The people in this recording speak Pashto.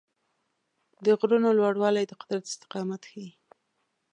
د غرونو لوړوالی د قدرت استقامت ښيي.